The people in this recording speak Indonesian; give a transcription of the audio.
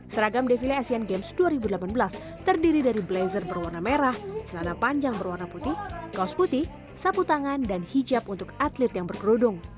seragam defile asian games dua ribu delapan belas terdiri dari blazer berwarna merah celana panjang berwarna putih kaos putih sapu tangan dan hijab untuk atlet yang berkerudung